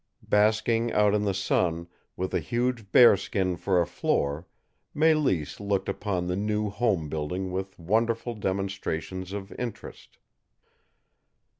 Basking out in the sun, with a huge bearskin for a floor, Mélisse looked upon the new home building with wonderful demonstrations of interest.